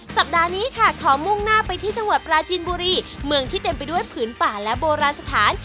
สัปดาห์นี้ค่ะขอมุ่งหน้าไปที่จังหวัดปราจีนบุรีเมืองที่เต็มไปด้วยผืนป่าและโบราณสถาน